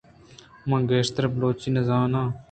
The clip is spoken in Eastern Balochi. من گیشتر بلوچی نہ زان آں۔